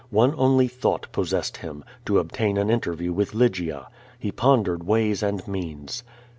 One only thought possessed him, to ol)tain an interview with Lygia. He pondered ways and means.